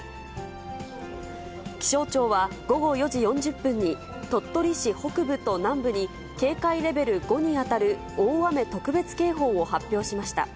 気象庁は午後４時４０分に、鳥取市北部と南部に、警戒レベル５に当たる大雨特別警報を発表しました。